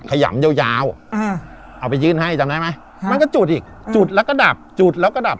ขยำยาวยาวอ่าเอาไปยื่นให้จำได้ไหมมันก็จุดอีกจุดแล้วก็ดับจุดแล้วก็ดับ